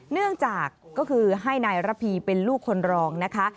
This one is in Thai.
เนื่องจากก็คือให้นายระพีเป็นลูกคนรองนะคะ